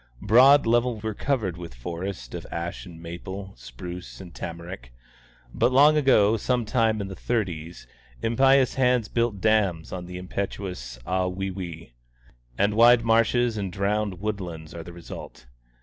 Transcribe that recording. Both broad levels were covered with forest of ash and maple, spruce and tamarack; but long ago, some time in the thirties, impious hands built dams on the impetuous Ahwewee, and wide marshes and drowned wood lands are the result.